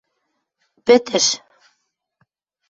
Пӹтӹш.